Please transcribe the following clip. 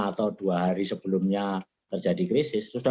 atau dua hari sebelumnya terjadi krisis